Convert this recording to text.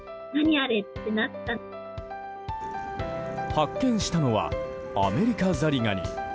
発見したのはアメリカザリガニ。